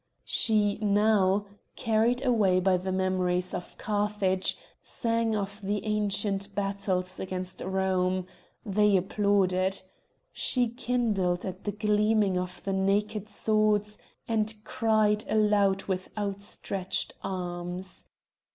She now, carried away by the memories of Carthage, sang of the ancient battles against Rome; they applauded. She kindled at the gleaming of the naked swords, and cried aloud with outstretched arms.